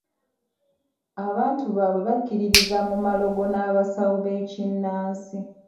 Abantu baabwe bakkiririza mu malogo n'abasawo b'ekinnansi.